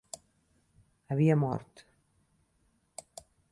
Havia mort.